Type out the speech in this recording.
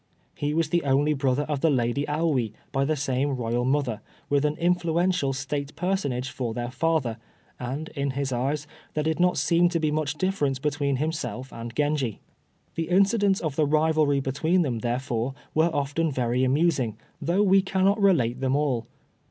He was the only brother of the Lady Aoi by the same Royal mother, with an influential State personage for their father, and in his eyes there did not seem to be much difference between himself and Genji. The incidents of the rivalry between them, therefore, were often very amusing, though we cannot relate them all.